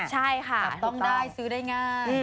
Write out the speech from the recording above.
จับต้องได้ซื้อได้ง่าย